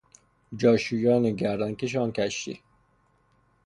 جاشویان گردنکش آن کشتی